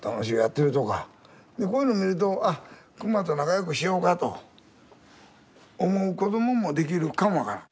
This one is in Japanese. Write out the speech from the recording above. でこういうの見ると「あっ熊と仲良くしようか」と思う子どももできるかも分からん。